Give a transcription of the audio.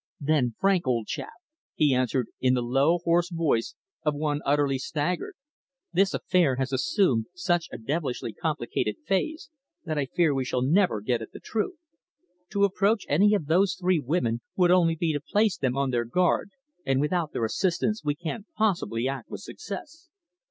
"Then, Frank, old chap," he answered in the low, hoarse voice of one utterly staggered, "this affair has assumed such a devilishly complicated phase that I fear we shall never get at the truth. To approach any of those three women would only be to place them on their guard, and without their assistance we can't possibly act with success."